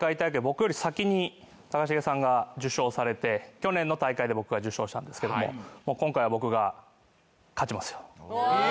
僕より先に高重さんが受賞されて去年の大会で僕が受賞したんですけども今回は僕が勝ちますよ。